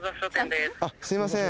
すいません。